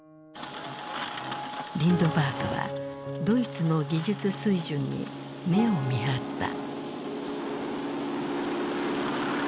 リンドバーグはドイツの技術水準に目をみはった。